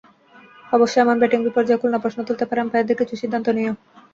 অবশ্য এমন ব্যাটিং বিপর্যয়ে খুলনা প্রশ্ন তুলতে পারে আম্পায়ারদের কিছু সিদ্ধান্ত নিয়েও।